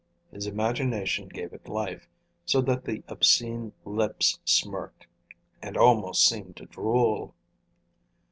His imagination gave it life, so that the obscene lips smirked, and almost seemed to drool.